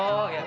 oh selamat ya